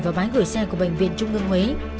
và bãi gửi xe của bệnh viện trung ương huế